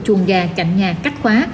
chuồng gà cạnh nhà cắt khóa